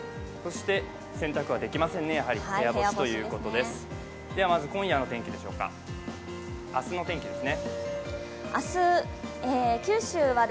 洗濯はできませんね、やはり部屋干しということです。